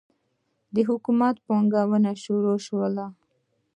د حکومت پاټکونه شروع سول.